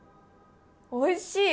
おいしい！